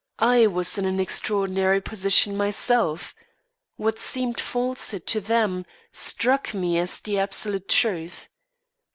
I was in an extraordinary position, myself. What seemed falsehood to them, struck me as the absolute truth.